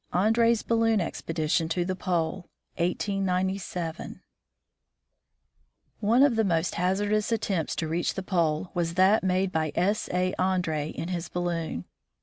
XIX. ANDREE'S BALLOON EXPEDITION TO THE POLE 1897 One of the most hazardous attempts to reach the pole was that made by S. A. Andree in his balloon.